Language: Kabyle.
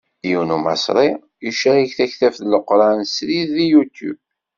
Yiwen Umaṣri icerreg taktabt n Leqran srid deg Youtube.